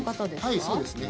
はいそうですね